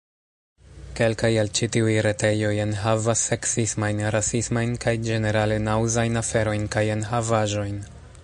Kelkaj el ĉi tiuj retejoj enhavas... seksismajn, rasismajn... kaj ĝenerale naŭzajn aferojn kaj enhavaĵojn.